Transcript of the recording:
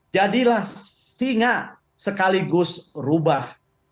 jadilah singa sekaligus rubah